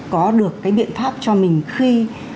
có được cái biện pháp cho mình khi